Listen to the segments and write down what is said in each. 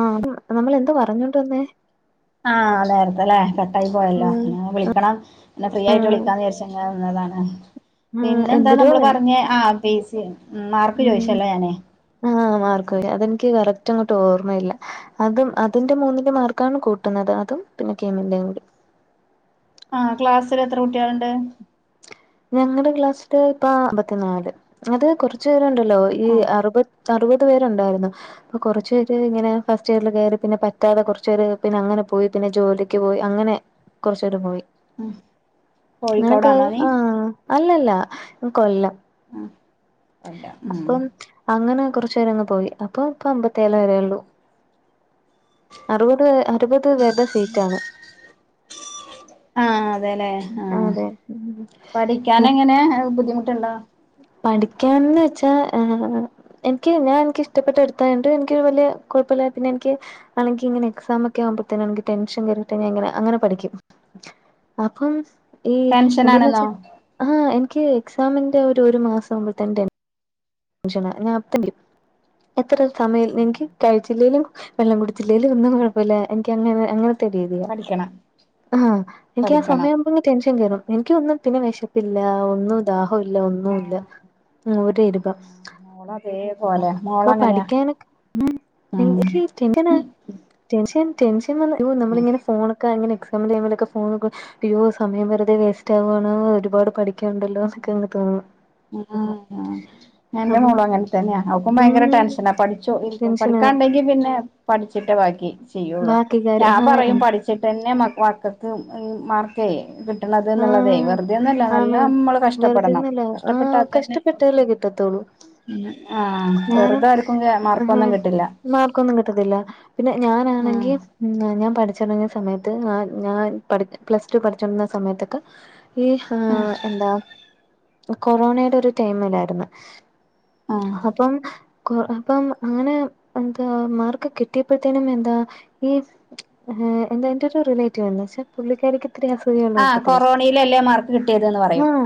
ആ അതാ നമ്മൾ എന്താ പറഞ്ഞോണ്ടുവന്നേ ആഹ് നേരത്തെലെ കട്ടായി പോയല്ലോ ഉം പിന്നെ വിളിക്കണം ഒന്ന് ഫ്രീ ആയിട്ട് വിളിക്കാവിചാരിച്ചങ്ങനെ നിന്നന്താണ് ആഹ് പിന്നെ എന്താ എന്തൊരോ നമ്മള് പറഞ്ഞ ആഹ് പി സി മാർക്ക് ചോയിച്ചല്ലെ ഞാന് ആഹ് മാർക്കോയ് അതെനിക്ക് കററ്റ് അങ്ങോട്ട് ഓർമ്മയില്ല അതും അതിന്റെ മൂന്നിന്റെ മാർക്കാണ് കൂട്ടുന്നത് അതും പിന്നെ [unintelligible] ആഹ് ക്ലാസ്സിൽ എത്ര കുട്ടികൾ ഉണ്ട് ഞങ്ങടെ ക്ലാസില് ഇപ്പോ അമ്പത്തിനാല് അത് കൊറച്ചു പേരുണ്ടല്ലോ ഈ ആ അറുപത് അറുപത് പേരുണ്ടായിരുന്നു അപ്പൊ കുറച്ചു പേര് ഇങ്ങനെ ഫസ്റ്റ് ഇയറിൽ കയറി പിന്നെ പ കിട്ടാതെ കുറച്ച്പേര് പിന്നെ അങ്ങനെ പോയി പിന്നെ ജോലിക്ക് പോയി അങ്ങനെ കുറച്ച്പേര് പോയി ഉം അങ്ങനൊക്കെ കോഴിക്കോടാണോ നീ ആഹ് അല്ല അല്ല കൊല്ലം ഉം അല്ല ഉം അപ്പം അങ്ങനെ കുറുച്ച് പേരങ്ങ് പോയി അപ്പൊ ഇപ്പ അമ്പത്തേഴ് വരേ ഉള്ളൂ അറുപത് അറുപത് പേരുടെ സീറ്റാണ് ആഹ് അതെല്ലേ ആഹ് അതെ പഠി [unintelligible] എങ്ങനെ ബുദ്ധിമുട്ടുണ്ടോ പഠിക്കാന്ന് വെച്ചാ ഏഹ് എനിക്ക് ഞാൻ എനിക്ക് ഇഷ്ടപ്പെട്ട എടുത്തായോണ്ട് എനിക്ക് വലിയ കുഴപ്പില്ല പിന്നെ എനിക്ക് അല്ലെങ്കി ഇങ്ങനെ എക്സാം ഒക്കെ ആവുമ്പഴത്തെ എനിക്ക് ടെൻഷൻ കേറിട്ട് ഞാൻ ഇങ്ങനെ അങ്ങനെ പഠിക്കും അപ്പം ഈ എന്താന്ന ടെൻഷനാണെന്നോ വെച്ചാൽ ആഹ് എനിക്ക് എക്സാമിന്റെ ഒരു ഒരു മാസം ആകുമ്പോ ത [unintelligible] എത്ര സമയം എനിക്ക് കഴിച്ചില്ലെലും വെള്ളംകുടിച്ചിലേലും ഒന്നും കുഴപ്പമില്ല എനിക്ക് അങ്ങനെ അങ്ങനെ [unintelligible] പഠിക്കണം ആഹ് എനിക്ക് ആ പഠിക്കണം സമയം ടെൻഷൻ കേറും എനിക്കൊന്നും പിന്നെ വിശപ്പില്ല ഒന്നും ദാഹവും ഇല്ല ഒന്നും ഇല്ല ആഹ് നൂര ഇരുപ നമ്മളതേപോലെ അപ്പൊ പഠിക്കാനൊക്കെ ഉം [unintelligible] എങ്ങനാ ടെൻഷൻ ടെൻഷൻ വന്ന് യ്യോ നമ്മള് ഇങ്ങനെ പോണ് [unintelligible] എക്സാം ടൈമിലൊക്കെ പോണത് അയ്യോ സമയം വെുതെ വേസ്റ്റാവാണോ ഒരുപാട് പഠിക്ക ആഹ്‌ ആഹ്‌ എന്റെ അപ്പൊ മോള് അങ്ങനെ തന്നെയാ അവൾക്കും ഉം ഭയങ്കര ടെൻഷനാ പഠിച്ചു ടെൻഷനാ പഠിക്കാനൊണ്ടെങ്കി പിന്നെ പഠിച്ചിട്ട് ബാക്കി ചെയ്യുള്ളൂ ബാക്കി കാര്യം ഞാൻ ആഹ് പറയും പഠിച്ച വെച്ചിട്ട് തന്നെ മക്കൾക്ക് ഈ മാർക്കേ കിട്ടണത് എന്നുള്ളതേ വെറുതെ ഒന്നു അല്ല നല്ല നമ്മള് കഷ്ടപ്പെടണം വെറുതെന്നല്ല ആഹ് കഷ്ടപ്പെട്ടതല്ലേ കിട്ടത്തോളൂ ഉം ആഹ് വെറുതെ ആർക്കും ആഹ് മാർക്കൊന്നും കിട്ടില്ല മാർക്കൊന്നും കിട്ടത്തില്ല പിന്നെ ഉം ഞാനാണെങ്കിൽ ഉം ഞാൻ പഠിച്ച് തുടങ്ങിയ സമയത്ത് ഞാൻ ഞാൻ പഠി ച്ച പ്ലസ് ടു പഠിച്ചോണ്ടിരുന്ന സമയത്തൊക്കെ ഈ ആഹ് എന്താ കൊറോണയുടെ ഒരു ടൈമിലായിരുന്നു ആഹ് അപ്പം കൊ അപ്പം അങ്ങനെ എന്താ മാർക്ക് കിട്ടിയപ്പോഴത്തേനും എന്താ ഈ എന്താ എന്റെ ഒരു റിലേറ്റീവ് എന്ന് പക്ഷേ പുള്ളിക്കാരിക്ക് [unintelligible] ആഹ് കൂട്ടത്തില കൊറോണയിലല്ലേ മാർക്ക് കിട്ടിയത്ന്ന് പറയും ആഹ്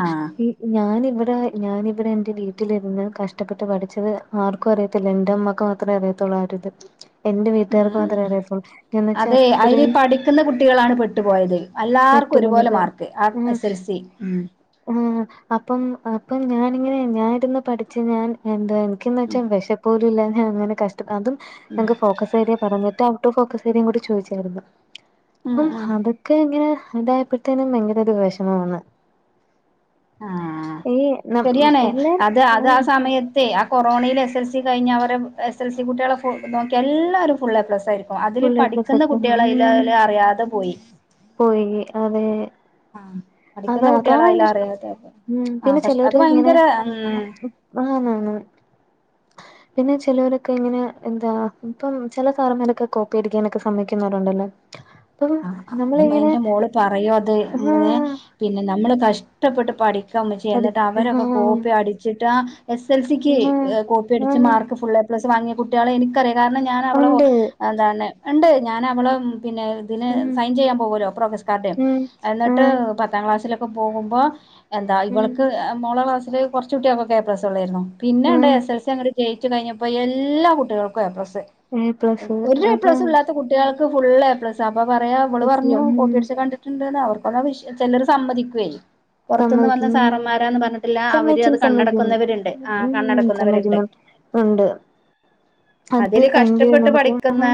ഞാൻ ഇവിടെ ഞാനിവിടെ എന്റെ വീട്ടിലിരുന്ന് കഷ്ടപ്പെട്ട് പഠിച്ചത് ആർക്കും അറിയത്തില്ല എന്റെ ഉമ്മാക്ക് മാത്രമേ അറിയത്തുള്ളൂ [unintelligible] വീട്ടുകാർക്ക് മാത്രമേ ആഹ്‌ അറിയത്തുള്ളൂ എന്ന് വെച്ചാ അതെ അതിൽ അത്രയും പഠിക്കുന്ന കുട്ടികളാണ് പെട്ടുപോയത് പെട്ടു എല്ലാർക്കും ഒരുപോലെ പോന്നത് മാർക്ക് ആഹ് ഉം എസ് എൽ സി ഉം ആഹ് അപ്പം അപ്പം ഞാനിങ്ങനെ ഞാനരുന്ന് പഠിച്ച ഞാൻ എന്ത ഉം വെച്ചാൽ വിഷ പോലും ഇല്ല ങ്ങനെ കഷം അതുംക്ക് ഫോക്കസ് പറഞ്ഞിട്ട് ഔട്ട് ഓഫ് ഫോക്കസ് ഏരി കൂടി ചോദിച്ചായിരുന്നു ഉം അപ്പം ഉം അത് ഒക്കെ ഇങ്ങനെ ഇതായപ്പോഴത്തേനും ഭയങ്കര ഒരു വിഷമമാണ്. ആഹ് ഈ നം ശരിയണേ എല്ലാരും അത് അത് ആ ഉം സമയത്ത്. സേ ആ കൊറോണയിൽ എസ് എൽ സി കഴിഞ്ഞാൽ അവരെ എസ് എൽ സി കുട്ടികളെു നോക്കിയാ എല്ലാവരും ഫുള്ള പ്ലസ്യിരിക്കും അതില് ഫുൾ എ പ്ലസ് പഠിക്കുന്ന എടുക്കും കുട്ടികള അതിൽ ഉം അല് അറിയാതെ പോയി. പോയി അതെ ആഹ് അത പഠിക്കുന്ന കുട്ടികള് അതാണ് അയില് എ് അറിയാതെ ഉ ആഹ് പിന്നെ കഷ് അത് ചെലോര് ഇങ്ങനെ ഭയങ്കര ഉം ആനാണ് പിന്നെ ചിലവരൊക്കെ ഇങ്ങനെ എന്താ ഇപ്പം ചില സർ മാരൊക്കെ കോ പടരിക്കാനൊക്കെ സമ്മമിക്കുന്നവരുണ്ടല്ലോ. ആഹ് അത് എന്റെ മോള് പറയോ അത് ഹാ പിന്നെ നമ്മള് കഷ്ടപ്പെട്ട് പഠി ക്കാം പറ്റി പഠി എന്നിട്ട് ഹാ അവരൊക്കെ കോപ്പി അടിച്ചിട്ടാ എസ് എൽ സിക്ക് ഹാ കോപ്പി അ ടിച്ച് ഹാ മാർക്ക് ഫുൾ എ പ്ലസ് വങ്ങിയ കുട്ടിയാളെ എനിക്കറിയ കാരണം ഞാൻ അവളെ ഒ ഉണ്ട് അതാണ് ഇണ്ട് ഞാൻ അവളെ പിന്നെ ഇതിന് ഉം സൈൻ ചെയ്യാൻ പോകൊല്ലോ പ്രൊഗസ് കാർഡ്. ഉം എന്നി ട്ട് ആഹ് പത്താം ക്ലാസിലൊക്കെ പോകുമ്പോ എന്താ ഉം ഇവൾക്ക്. മോളെ കാസ്സില് കൊർച്ച് കുട്ടിയാക്കൊക്കെ എ പ്ലസ് ഒള്ളേയിര്ന്നു പിന്നെ ഇണ്ട് ആഹ് എസ് എസ് സി അങ്ങട്ട്. ജയ്ച്ചു കഴിഞ്ഞപ്പോ എല്ലാ കുട്ടിയാൾക്കും എപ്ലസ് എ പ്ലസ് ഒരു എപ്ലസ് അതാണ് ഇല്ലാത്ത കു റ്റേയാൾക്ക് ഫുള്ളേപ്ലസാ അപ്പ പറയാ അവള് പറഞ്ഞു ഉം കോപ്പി അടിച്ച് കണ്ടി ട്ട്ന്നാ അവർക്കൊള്ള വിഷ. ചെലർ സമ്മതിക്കുവേ പുറത്ത്ന്ന് വന്ന സമ്മതിക്കുന്നു സാറന്മാരാന്ന് പറഞ്ഞിട്ടില്ല അവര് സമ്മയ്ക്കും അത് സമ്മയ്ക്കും കണ്ണടക്കുന്നവര്ണ്ട് ആഹ് കണ്ണടക്കുന്നവര്ണ്ട്. ഇണ്ട്. അതില് കഷ്ടപ്പെട്ട് നമുക്ക് പഠിക്കുന്ന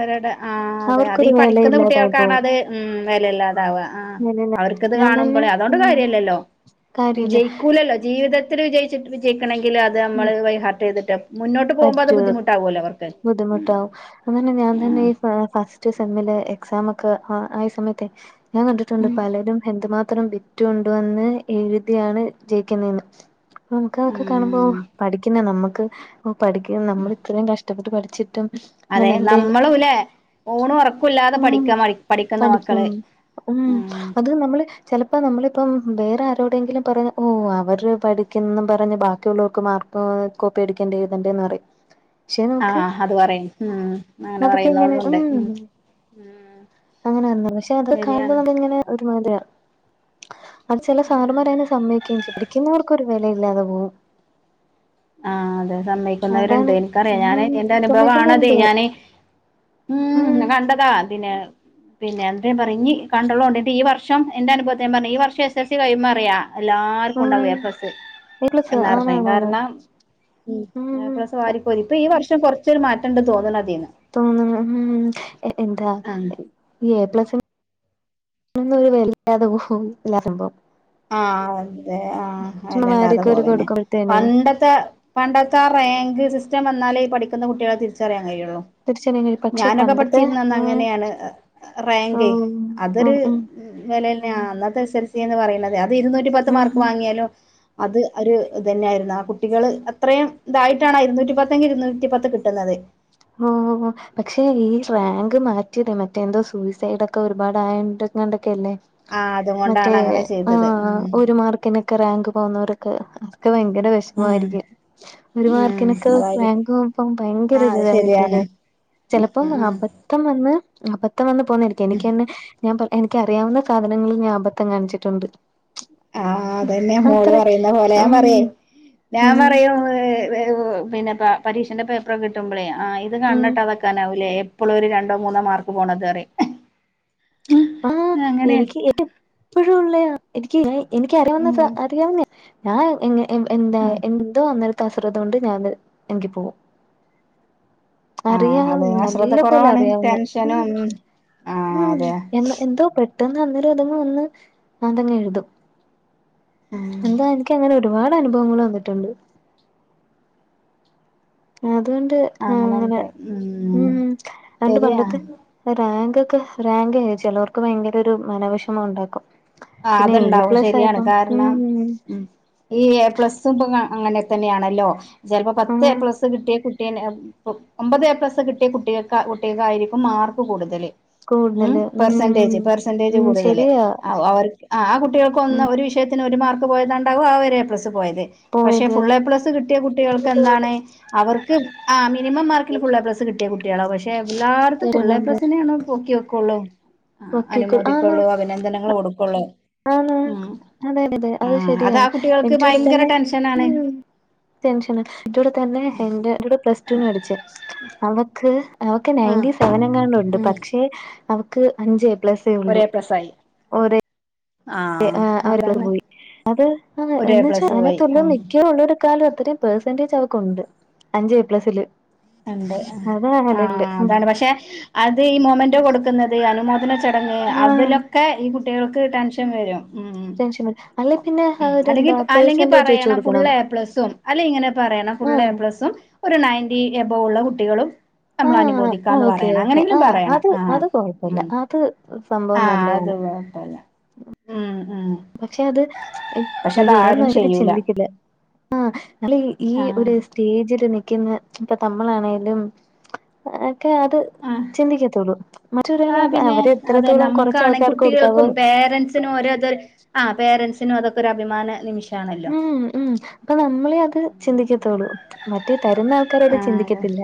ഒരുടെ ആഹ് അതെ അത് ഈ അവർക്കൊരു പഠി പഠിക്കുന്ന വെലയില്ലാതായി പോവും കുട്ടികൾക്കാണത് ഉം വെലയില്ലാതാവാ വെലയില്ല അവർക്കത് ഞാൻ തന്നെ കാണുമ്പളെ അതോണ്ട് ഉം കാര്യംല്ലല്ലോ. കാര്യല്ല വിജയിക്കൂലല്ലോ ജീവിതത്തില് വിജയിച്ചിട്ട് വിജയിക്കണെങ്കില് അത് ഉം നമ്മള് ബൈഹാർട്ട്യ്തിട്ട് മുന്നോട്ട് പോുവുമ്പൊ അത് പറ്റോ ബുദ്ധിമുട്ടാവൊല്ലൊ അവർക്ക്. ബുദ്ധിമുട്ടാവും അങ്ങനെ ഞാൻ തന്നെ ഉം ഈ ഫ റ്റ് സമ്മിലെഎക്സാം മൊക്കെ ആയ സമയത്ത് ഞാൻ കണ്ടിട്ടുണ്ട് പലരും എന്തുമാ ത്രം ബിറ്റുണ്ടോ എന്ന് എഴുതിയാണ് ജയിക്കുന്നെന്ന് നമുക്ക് അഒക്കെ കാണുമ്പോ ഉം പഠിക്കുന്ന നമ്മക്ക് പഠിക്ക നമ്മള് ഇത്രയും കഷ് ടപ്പെട്ട് പഠിച്ചിട്ടും അതെ നമ്മളുലേ ഊണ് ഒറക്കുല്ലാതെ ഉം പഠിക്കാ പഠിക്ക്ന്ന പഠിക്കും മക്കള്. ഉം അത് നമ്മള് ചെലപ്പ നമ്മളിപ്പം വേറെ ആരോടെങ്കിലും പറഞ്ഞ്. ഓ അവര് പഠിക്കും ന്ന് പറഞ്ഞ് ബാക്കിയുള്ളോർക്ക് മാർ ഇപ്പോ കോപ്പി എടുക്കേണ്ട എഴുതണ്ടേന്ന് അറിം. ആഹ് അത് പറയും ഉം അങ്ങനെ അതൊക്കെ ഇങ്ങനെ പറയുന്നവരുണ്ട്. ഉം ഉം അങ്ങനെയ പക്ഷെ അത് കാണുമ്പ ശരിയാണ് നമക്ക് ഇങ്ങനെ ഒരുമാതിരിയാ അത് ചെല സാറ്മാറ് അയിന് സമ്മയ്ക്കയും ചെയ്യും പിഠിക്കുന്നവർക്കൊരു വെലയില്ലാതെ പോവും. ആഹ് അതെ സമ്മക്കുന്നവര്ണ്ട്. അതാണ് എനിക്ക് റയാ ഞാന് ഉം എന്റെ അനുഭവാണതെ. സമ്മതിക്കുന്നുണ്ട് ഞാന് ഉം കണ്ടതാ അതിനെ പിന്നെ എന്തേ പറ ഇഞ്ഞ് കണ്ടൊളോണ്ടി ന്നിട്ട് ഈ വർഷം എന്റെ അനുഭവത്ത് ഞാ പറഞ്ഞ് ഈ വർഷം എസ് എൽ സി കഴിയുമ്പൊ അറിയാ. എല്ലാർക്കും ഉം ഉണ്ടാവും എപ്ലസ് എ പ്ലസ് എന്ന്ർഞ്ഞ്. ആണാണാണ് കാരണം ഉം എപ്ലസ് വാരിക്കോരി. ഇപ്പ ഈ വർഷം കൊർച്ചൊര് മാറ്റണ്ട് തോന്ന്ണ് അതീന്ന്. തോനുന്നു ഉം എന്താ ആഹ് ഈ എ പ്ലസ് ന്നും ഒരു വെലിം ഇല്ലാതെ പോവും [unintelligible] ആഹ് അതെ ആഹ് ചുമ്മാ വെല ഇല്ലാതെ മാര്യൊക്കെ ഒരു പോവന്നെ കൊടുക്കുമ്പഴത്തേനെ പണ്ട ത്തെ പണ്ടത്തെ ആ റാങ്ക് സിസ്റ്റം വന്നാലേ ഈ പഠിക്കുന്ന കുട്ടിയാളെ തിരിച്ചറിയാൻ കഴിയുള്ളൂ തിരിച്ചനെ പക്ഷെ ഞാനൊക്കെ പണ്ടത്തെ പഠിച്ചിരുന്നന്ന് ആഹ് അങ്ങനെയാണ് റാങ്കെ ഉം അതൊര് ഉം വെലന്നയാ അന്നത്തെ എസൽസി പറയുന്നത്. അത് ഇരുന്നൂറ്റി പത്ത് ഉം മാർക്ക് ഉം വാങ്ങിയാലും അത് ഒര് ഇതെന്നെയായിയിരുന്നു. ആ കുട്ടികള് അത്രയും ഇതായിട്ടാണ് ഇരുന്നൂറ്റി പത്തെങ്കി ഇരുന്നൂറ്റി പത്ത് കിട്ടുന്നത് ഓഹ് പക്ഷെ ഈ റാങ്ക് മാറ്റിയത് മറ്റേ ന്തോ സൂയിസൈഡ് ഒക്കെ ഒരുപാട് ആയണ്ട് യോണ്ടക്കെയല്ലേ ആഹ് മറ്റേ അതുകൊണ്ടാണ് അങ്ങനെ ആ ചെയ്തത് ഉം ഒരു മാർക്ക്ന് ക്കെ റാങ്ക് പോവുന്നവർക്ക് അതൊക്കെ ഭയങ്കര വെ ഉം ഷമായിരിക്കും. ഒരു ഉം മാർക്കിനൊക്കെ അതായിരിക്കും റാങ്ക് പോകുമ്പം ഭയ ങ്കര ആഹ് അത് ഒര്തായിരിക്കൂലെ ശരിയാണ് ചിലപ്പം ഉം ഉം അപ ത്തം വന്ന് അബത്തം വന്ന് പോവ്ന്നാരിക്കും എനിക്കന്നെ ഞാൻ പറ് എനിക്ക അറിയാവുന്ന സാധനങ്ങളിൽ ഞാൻ അബദ്ധം കാണിച്ചിട്ടുണ്ട് ആഹ് അതെന്നെ മോള് അത്രേ പറയുന്ന പോലെ ഞാൻ ഉം പറയേ ഞാൻ ഉം പറയും പിന്നെ പ പരീക്ഷന്റെ പേപ്പറൊക്കെ കിട്ടുമ്പളേ ആ ഇത് ഉം കണ്ണട്ടാതെ നിക്കാനാവുലെ ഇപ്പളൊരു രണ്ടോ മൂന്നോ മാർക്ക് പോണത്റിം ആഹ് എനിക്ക് എപ്പഴുംള്ളയാ എനിക്ക് എനിക്കറിവുന്ന ഫാ ഉം അറിയാവുന്നെയാ ഞാൻ എങ്ങ എൻ എന്താ ആഹ് എന്തോ അന്നൽ തശ്രദ്ധ കൊണ്ട് ഞാന് എങ്കി പോവും ആഹ് അതെ അറിയാവുന്നേ അശ്രദ്ധ നല്ല പോലെ കുറവാണ് അറിയാവുന്നേ ഉം ടെൻഷനും ആഹ് ഉം അതെ എന്തോ പെട്ടെന്ന് അന്നേരം അതങ്ങ് വന്ന് അതങ്ങ് എഴുതും ഉം എന്തോ എനിക്കങ്ങനെ ഒരുപാട് അനുഭവങ്ങള് വന്നിട്ടുണ്ട് അതുകൊണ്ട് അങ്ങനെ ഉം രണ്ട് ശരിയാ പണ്ടത്ത് റാങ്കൊക്കെ റാങ്ക് ചെലോർക്ക് ഭയങ്കര ഒരു മനോവിഷമം ഒണ്ടാക്കും ആഹ് അത്ണ്ടാവും ശരിയാണ് കാരണം ഉം ഉം ഈ എ പ്ലസ്സും ഇപ്പൊ അങ്ങനെ തന്നെയാണല്ലോ ചെലപ്പോ ആ പത്ത് എ പ്ലസ്സ് കിട്ടിയ കു കുട്ടിയന്നെ പു ഒമ്പത് എ പ്ലസ് കിട്ടിയ കുട്ടികക്ക കുട്ടികക്കായിരിക്കും മാർക്ക് കൂടുതല് ഉം കൂടുതല് പെർസെന്റേജ് ഉം പെർസെന്റേജ് ഉം കൂടുതല് ശരിയാ അവ അവര ആഹ് ആഹ് കുട്ടികൾക്ക് ഒന്ന് ഒരു വിഷയത്തിന് ഒരു മാർക്ക് പോയത് കൊണ്ടാവും ആഹ് ഒര് എ പ്ലസ് പോയത് പക്ഷെ പോയത് ഫുള്ളെ പ്ലസ് കിട്ടിയ കുട്ടികൾക്കെന്താണ് അവർ ക്ക് ആഹ് മിനിമം മാർക്കിൽ ഫുള്ളെ പ്ലസ് കിട്ടിയ കുട്ടികളാ പക്ഷെ എല്ലാടത്തും ഫുള്ളേ തരുന്നുണ്ട് പ്ലസിനെ ആണ് പൊക്കി വെക്കുള്ളു ആഹ് ഒക്കിക്കൂ ആന്ന് അനുമോദിക്കുള്ളൂ അഭിനന്ദങ്ങൾ കൊടുക്കൊള്ളൂ ആന്ന് അതെയതെ അത് ആഹ് ശരിയാ അതാ കുട്ടികൾക്ക് എനിക്കു വടെ ഭയങ്കര തന്നെ ടെൻഷനാണ് ഉം ടെൻഷനാ എന്റൂടെ തന്നെ എന്റെ കൂടെ പ്ലസ് ടു ന് പഠിച്ചേ അവക്ക് അവക്ക് ആഹ് നയന്റി സെവനെങ്ങാണ്ടോണ്ട് ഉം പക്ഷെ അവ ക്ക്‌ അഞ്ച് എ പ്ലസ്സേ ഒരു ഒള്ളൂ എ പ്ലസായി ഒരേ ഏഹ് ആഹ് അരിക്കളറ് പോയി അത് ആഹ് ഒരു എ എന്നച്ചാ പ്ലസ് പോയി അതിനത്തുള്ള ആഹ് ഞെക്കിയാള്ളൊരു കാലും അത്രയും പെർസെന്റേജ് അവക്ക് ഒണ്ട് അഞ്ച് എ പ്ലസ്സില് കണ്ട് ആഹ് ഉം അതാണ് പക്ഷെ അത് ഈ മൊമെന്റോ കൊടുക്കുന്നത് അനുമോദന ചടങ്‌ ആഹ് അതിലൊക്കെ ഈ കുട്ടികൾക്ക് ടെൻഷൻ വരും ഉം ടെൻഷൻ വരും. അല്ലെ പിന്നെ ഉം അല്ലെങ്കി അവരെന്താ അല്ലെങ്കി പെർസെന്റേജ് വെച്ച് പറയണം കൊടുക്കണം ഫുള്ള് എ പ്ലസ്സും അല്ലെ ഇങ്ങനെ പറയണം ഫുള്ള് എ ഉം പ്ലസും ഒരു നയന്റി എബൗ ഒള്ള കുട്ടികളും ആഹ് ആഹ് നമ്മളനുമോദിക്കാന്ന് ഓക്കെ പറയണം ഓക്കെ അങ്ങനെങ്കിലും ആഹ് പറയണം അത് ആഹ് അത് കൊഴപ്പല്ല ഉം അത് സംഭവം ആഹ് അത് നല്ലയാണ് കൊഴപ്പല്ല ഉം ഉം പക്ഷെ അത് പക്ഷെ ഈ ഏഹ് അതാരും നേരത്തി ചെയ്യൂല ചിന്തിക്കില്ല ആഹ് നല്ല ഈ ആഹ് ഒരു സ്റ്റേജില് നിക്കുന്ന ഇപ്പൊ തമ്മളാണേലും ഒക്കെ അത് ആഹ് ചിന്തിക്കത്തുള്ളൂ മറ്റൊരാള് ആഹ് പിന്നെ അവരെ അതെ എത്രത്തോളം നമ്മക്കാണെ കൊറച്ചാൾക്കാർക്ക് കൊടുക്കാവോ കുട്ടികൾക്കും പേരൻസിനും ഓരോത് ആഹ് പേരൻസിനും അതൊക്കെ ഒരു അഭിമാന നിമിഷം ഉം ഉം അപ്പൊ നമ്മളെ അത് ചിന്തിക്കത്തുള്ളൂ മറ്റേ തരുന്ന ൾക്കാരത് ആഹ് ചിന്തിക്കത്തില്ല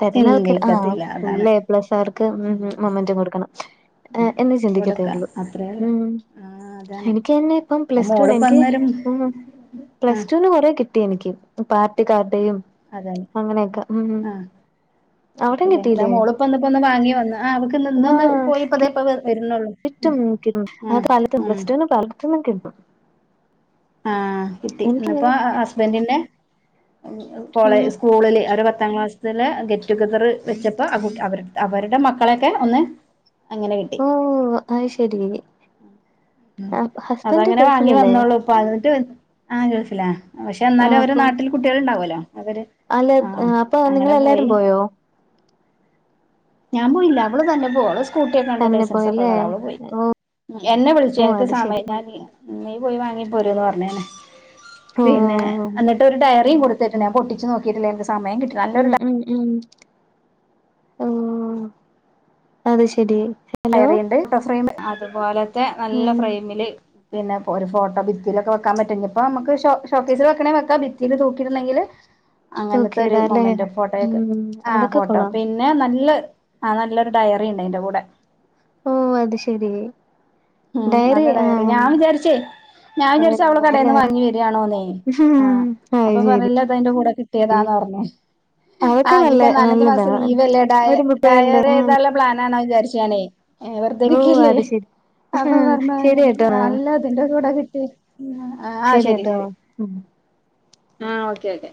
തരുന്ന ആൾക്കാര് ആഹ് ചിന്തിക്കത്തില്ല ഫുൾ അതാണ് എ പ്ലസ് കാർക്ക് ഉം ഉം മൊമ്മന്റം കൊടുക്കണം ഉം ഏഹ് എന്നേ കൊടുക്ക ചിന്തിക്കത്തുള്ളൂ അത്രേള്ളൂ ഉം ആഹ് അതാണ് എനിക്ക് തന്നെ ഇപ്പം പ്ലസ് ടു എന്ക്ക് മോളിപ്പന്നേരം ഉം ആഹ് പ്ലസ്ടൂന് കൊറെ കിട്ടി എനിക്ക് പാർട്ടികാർഡേയും അതന്നെ അങ്ങനെയൊക്കെ ഉം ആഹ് അവിടെം കിട്ടീല്ലേ പ്പോന്ന് പ്പോന്ന് വാങ്ങി വന്ന് ആഹ് ഇന്നൊന്ന് ആഹ് കി പോയിപ്പതേപ്പ വരുന്നുള്ളൂ കിട്ടും ഉം ഉം കാലത്ത് പ്ലസ് ഉം ടു ന് പല ത്തുന്നും കിട്ടും ആഹ് കിട്ടി ഇന്നിപ്പോ എനിക്കിങ്ങനെ ഹസ്ബന്റിന്റെ കോളേ ഉം സ്കൂളില് അവരെ പത്താം ക്ലാസ്സിത്തല് ഗെറ്റ് ടുഗെതർ വെച്ചപ്പോ അവ അവരുടെ മക്കളെയൊക്കെ ഒന്ന് അങ്ങനെ കിട്ടി ഓഹ് അയ്ശരി അ ഹസ്ബന്റ് ഗൾഫിലല്ലേ പതിനെട്ട് ആഹ് ഗൾഫിലാ പക്ഷെ ആ എന്നാലും അവര് അപ്പം നാട്ടില് കുട്ടികളുണ്ടാവല്ലോ അവര് അല്ല ആഹ് അപ്പൊ അങ്ങനെ നിങ്ങളെല്ലാരും പോയി പോയോ ഞാൻ പോയില്ല അവള് തന്നെ പോളും സ് സ്കൂട്ടിയൊക്കെ ഒണ്ട് തന്നെ ലൈസൻസ ഒക്കെ പോയല്ലേ ഒള്ളതാ അവള് പോയി ഓ എന്നെ വിളിച്ചു ഓ എനിക്ക് അത് ശരി സമയം ഞാനി നീ പോയി വാങ്ങി പോര്ന്ന് പറഞ്ഞ് ഞാന് ഓ പിന്നെ എന്നിട്ട് ഒരു ഡയറിയും കൊടുത്തേക്ക്ണ് പൊട്ടിച്ചു നോക്കിട്ടില്ലെനു സ് ഉം ഉം ഉം ഓഹ് അത് ശരി ഹലോ കയറിണ്ട് [unintelligible] ഫ്ര അതുപോലത്തെ നല്ല ഉം ഫ്രെയിമില് പിന്നെപ്പോ ഒരു ഫോട്ടോ ഭിത്തിയിലൊക്കെവക്കാ പറ്റു ഇപ്പോ നമുക്ക് ഷോ ഷോകേസിൽ വെക്കാണെങ്കി വെക്കാ ഭിത്തിൽ തൂക്കിടണ്ടാണങ്കില് തൂക്കിടാ ല്ലേ ഉം അതൊക്കെ കൊള്ളാം ന്നെ നല്ല ആഹ് നല്ലൊരു ഡയറിണ്ട് അയ്‌ന്റെ കൂടെ ഓ അത് ശരി ഉം നല്ല ഡയറി ഞാൻ വിചാരിച്ചേ ഞാൻ വിചാരിച്ച അവള് ഡയറില്ലേ കടെന്ന് അത് വാങ്ങി വരായാണോന്നേ ആഹ് അപ്പൊ ശരി പറയല്ല അതിന്റെ കൂടെ കി ട്ടിയതാന്ന് പറഞ്ഞ് അതൊക്കെ ആഹ് നല്ല ഇനിയിപ്പോ നാലഞ്ച് നല്ലതാ മാസം ലീവ് ല്ലെ ഡ ഒരു മുട്ടുകാരന്റെ ഡയറി ഉം എയ്താല പ്ലാനണോ വിചാരിച്ചാണേ വെറുതെ ഓ രിക്കല്ലേ അത് ശരി അപ്പൊ പറഞ്ഞു ശരി കേട്ടോ ആഹ് അല്ല [unintelligible] കിട്ടി ആഹ് ശരി കേട്ടോ ശരി ഉം ആഹ് ഓക്കെ ഒക്കെ